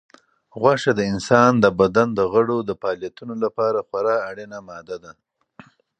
غوښه د انسان د بدن د غړو د فعالیتونو لپاره خورا اړینه ماده ده.